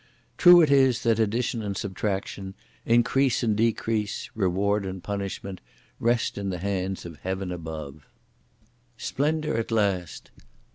True it is that addition and subtraction, increase and decrease, (reward and punishment,) rest in the hands of Heaven above! Splendour at last.